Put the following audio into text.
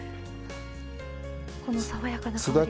この爽やかな香り。